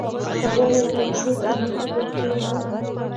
که غواړئ په لاشعور کې د نفوذ وړتيا ومومئ.